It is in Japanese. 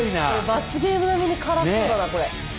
罰ゲーム並みに辛そうだな。